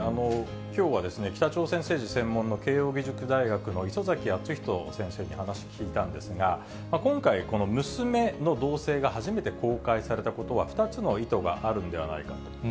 きょうは北朝鮮政治専門の慶應義塾大学の礒崎敦仁先生に話、聞いたんですけど、今回、この娘の動静が初めて公開されたことは、２つの意図があるんではないかと。